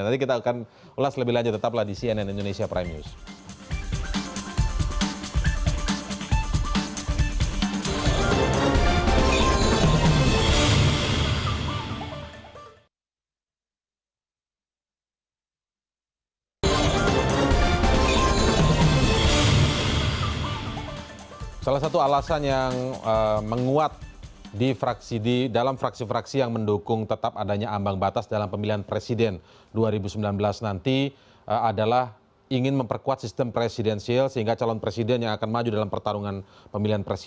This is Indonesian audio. nanti kita akan ulas lebih lanjut tetaplah di cnn indonesia prime news